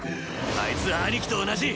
あいつは兄貴と同じ！